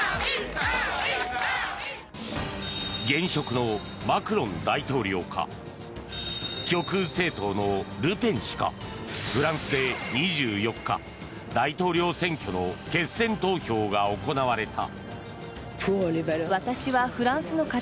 現職のマクロン大統領か極右政党のルペン氏かフランスで２４日大統領選挙の決選投票が行われた。